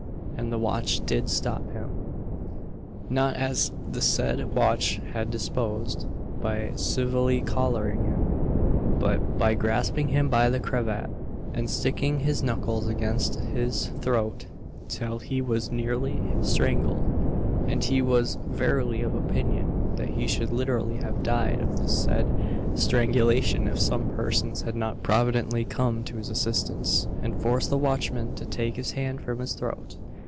and the watch did stop him not as the said watch had deposed, by "civilly collaring him," but by grasping him by the cravat, and sticking his knuckles against his throat till he was nearly strangled; and he was verily of opinion that he should literally have died of the said strangulation if some persons had not providentially come to his assistance, and forced the watchman to take his hand from his throat.